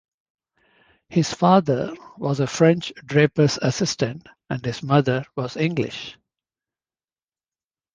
His father was a French draper's assistant and his mother was English.